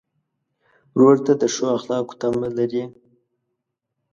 ورور ته د ښو اخلاقو تمه لرې.